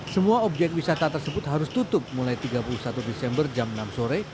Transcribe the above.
semua objek wisata tersebut harus tutup mulai tiga puluh satu desember jam enam sore